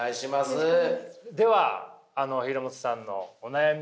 では廣本さんのお悩み。